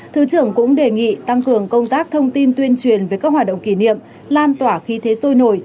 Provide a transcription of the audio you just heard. thứ trưởng cũng đề nghị tăng cường công tác thông tin tuyên truyền về các hoạt động kỷ niệm lan tỏa khí thế sôi nổi